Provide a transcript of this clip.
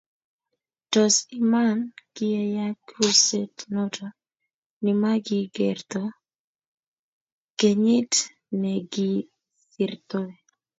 Tos, Iman kiyeyak ruset noto nimagigertoi kenyit negisirtoi